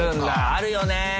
あるよね。